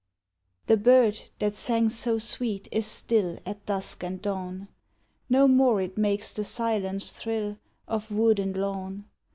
The bird, that sang so sweet, is still At dusk and dawn; No more it makes the silence thrill Of wood and lawn.